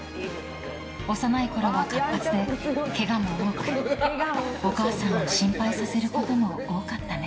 幼いころは活発で怪我も多くお母さんを心配させることも多かったね。